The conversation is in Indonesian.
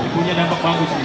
punya dampak bagus nih